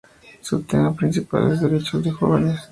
Su tema principal es "derechos de jóvenes".